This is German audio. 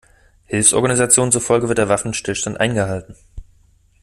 Hilfsorganisationen zufolge wird der Waffenstillstand eingehalten.